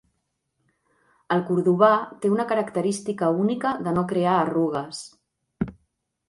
El cordovà té una característica única de no crear arrugues.